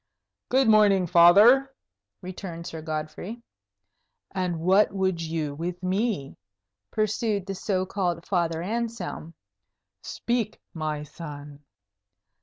"Good morning, Father," returned Sir Godfrey. "And what would you with me?" pursued the so called Father Anselm. "Speak, my son."